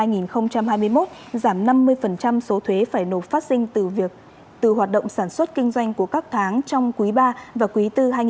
giảm năm mươi số thuế phải nộp phát sinh từ việc từ hoạt động sản xuất kinh doanh của các tháng trong quý ba và quý bốn hai nghìn hai mươi